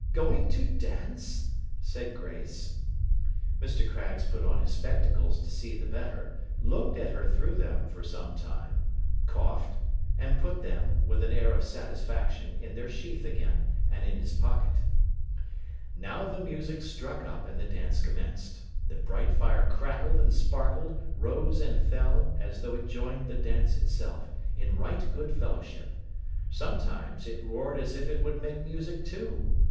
Going to dance?' said Grace. Mr. Craggs put on his spectacles to see the better; looked at her through them, for some time; coughed; and put them, with an air of satisfaction, in their sheath again, and in his pocket. Now the music struck up, and the dance commenced. The bright fire crackled and sparkled, rose and fell, as though it joined the dance itself, in right good fellowship. Sometimes, it roared as if it would make music too.